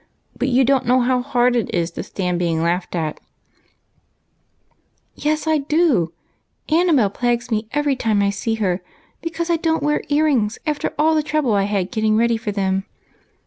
But you don't know how hard it is to stand being laughed at." " Yes, I do ! Ariadne plagues me every time I see her, because I don't wear ear rings after all the trouble I had getting ready for them."